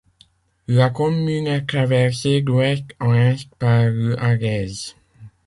La commune est traversée d'ouest en est par l'Araize.